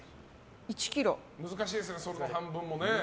難しいですね、その半分も。